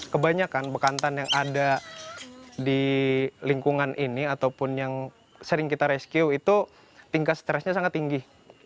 kebanyakan bekantan yang ada di lingkungan ini ataupun yang sering kita rescue itu tingkat stresnya sangat tinggi